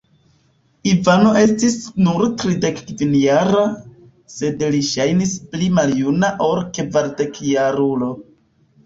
Ivano estis nur tridekkvinjara, sed li ŝajnis pli maljuna ol kvardekjarulo.